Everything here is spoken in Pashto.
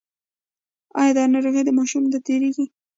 ایا دا ناروغي ماشومانو ته تیریږي؟